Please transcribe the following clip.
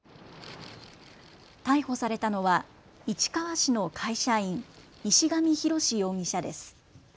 逮捕されたのは市川市の会社員、石上浩志容疑者です。